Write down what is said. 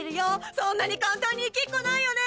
そんなに簡単にいきっこないよね。